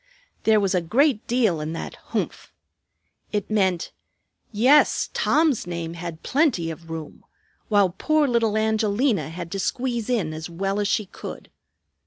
There was a great deal in that "humph." It meant: Yes, Tom's name had plenty of room, while poor little Angelina had to squeeze in as well as she could.